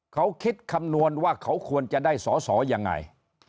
เขาคิดคำนวณว่าเขาควรจะได้สอสอยังไง